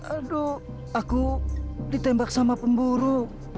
aduh aku ditembak sama pemburu